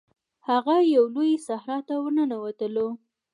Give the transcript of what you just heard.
هغه یوې لويي صحرا ته ورننوتلو.